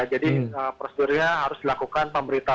jadi prosedurnya harus dilakukan pemberantasan